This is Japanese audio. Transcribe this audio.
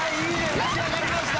打ち上がりました。